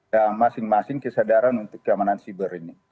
ya masing masing kesadaran untuk keamanan siber ini